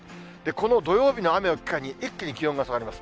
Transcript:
この土曜日の雨を機会に、一気に気温が下がります。